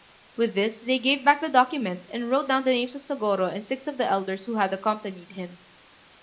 With this they gave back the document, and wrote down the names of Sôgorô and six of the elders who had accompanied him.